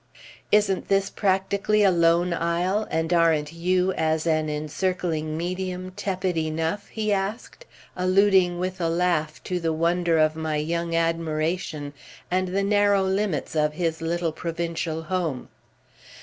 "Isn't this practically a lone isle, and aren't you, as an encircling medium, tepid enough?" he asked, alluding with a laugh to the wonder of my young admiration and the narrow limits of his little provincial home.